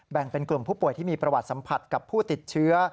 แบ่งเป็นกลุ่มผู้ป่วยที่มีประวัติสัมผัสกับผู้ติดเชื้อ